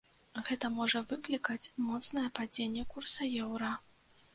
Гэта можа выклікаць моцнае падзенне курса еўра.